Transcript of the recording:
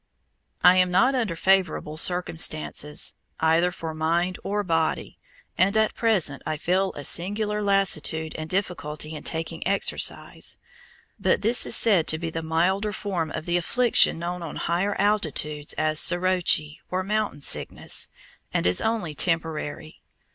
I am not under favorable circumstances, either for mind or body, and at present I feel a singular lassitude and difficulty in taking exercise, but this is said to be the milder form of the affliction known on higher altitudes as soroche, or "mountain sickness," and is only temporary.